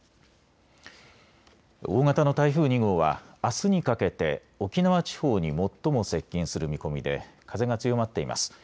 大型の台風２号はあすにかけて沖縄地方に最も接近する見込みで風が強まっています。